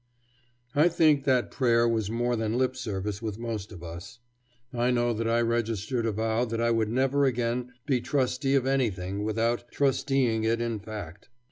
I think that prayer was more than lip service with most of us. I know that I registered a vow that I would never again be trustee of anything without trusteeing it in fact.